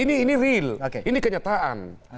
ini real ini kenyataan